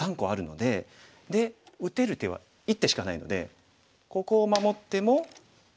で打てる手は１手しかないのでここを守っても切られてしまう。